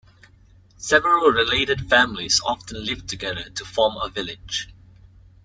Several related families often live together to form a village.